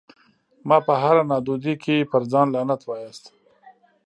مه په هره نادودي کي پر ځان لعنت واياست